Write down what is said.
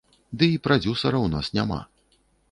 Ды і прадзюсара ў нас няма.